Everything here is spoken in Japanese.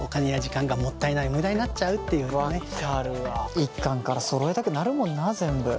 １巻からそろえたくなるもんな全部。